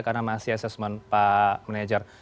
karena masih asesmen pak manager